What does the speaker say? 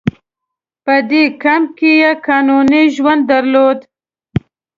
په دې کمپ کې یې قانوني ژوند درلود.